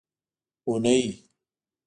اونۍ